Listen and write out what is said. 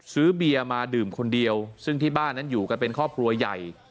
ซื้อเบียร์มาดื่มคนเดียวซึ่งที่บ้านนั้นอยู่กันเป็นครอบครัวใหญ่